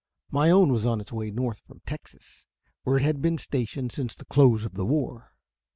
My own was on its way north from Texas, where it had been stationed since the close of the war.